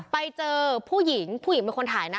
ไปเจอผู้หญิงผู้หญิงเป็นคนถ่ายนะ